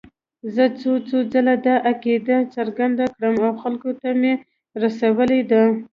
زه څو څو ځله دا عقیده څرګنده کړې او خلکو ته مې رسولې ده.